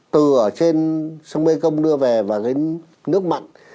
từ ở trên sông mê công đưa về và đến nước mặn